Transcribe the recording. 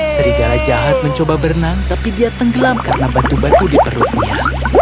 serigala jahat mencoba berenang tapi dia tenggelam karena batu batu di perutnya